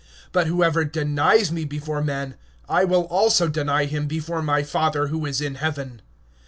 (33)But whoever shall deny me before men, him will I also deny before my Father who is in heaven.